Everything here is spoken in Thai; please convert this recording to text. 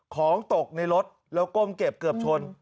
ของตกในรถแล้วก้มเก็บเกือบชน